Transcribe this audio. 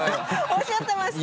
おっしゃってました。